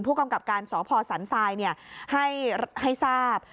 ผู้กำกับการสพสันทรายให้ทราบ